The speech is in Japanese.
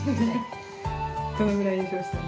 こんぐらい優勝したい。